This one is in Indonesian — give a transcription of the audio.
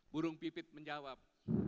burung pipit menjawab